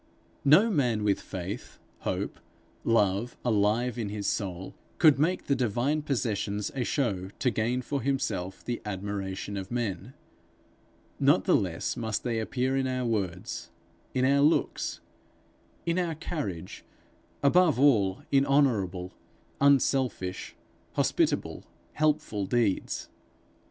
No man with faith, hope, love, alive in his soul, could make the divine possessions a show to gain for himself the admiration of men: not the less must they appear in our words, in our looks, in our carriage above all, in honourable, unselfish, hospitable, helpful deeds.